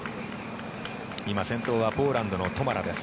今、先頭はポーランドのトマラです。